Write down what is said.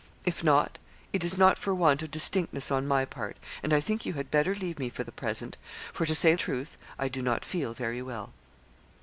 If not, it is not for want of distinctness on my part; and I think you had better leave me for the present, for, to say truth, I do not feel very well.'